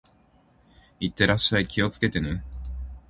行ってらっしゃい。気をつけてね。